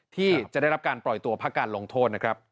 ที่จะได้รับการปล่อยตัวพักการลงโทษนะครับ